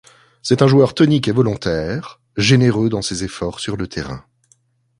C'est un joueur tonique et volontaire, généreux dans ses efforts sur le terrain.